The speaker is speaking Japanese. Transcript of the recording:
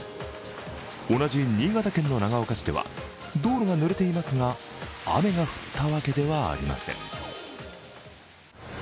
同じ新潟県の長岡市では道路がぬれていますが雨が降ったわけではありません。